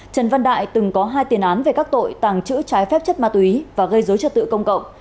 trần văn đại từng có hai tiền án về các tội tàng trữ trái phép chất ma túy và gây dối trật tự công cộng